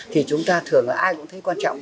thì chúng ta thường ai cũng thấy quan trọng